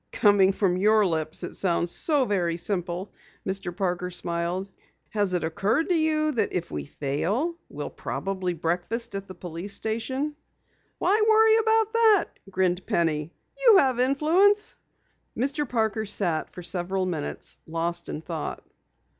"Coming from your lips it sounds so very simple," Mr. Parker smiled. "Has it occurred to you that if we fail, we'll probably breakfast at the police station?" "Why worry about that?" grinned Penny. "You have influence." Mr. Parker sat for several minutes lost in thought.